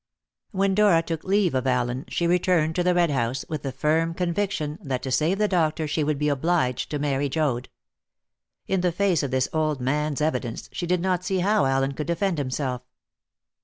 When Dora took leave of Allen, she returned to the Red House with the firm conviction that to save the doctor she would be obliged to marry Joad. In the face of this old man's evidence, she did not see how Allen could defend himself.